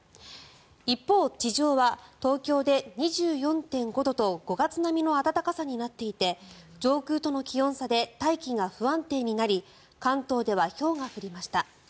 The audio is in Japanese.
一方、地上は東京で２４．５度と５月並みの暖かさになっていて上空との気温差で大気が不安定になり関東ではひょうが降りました。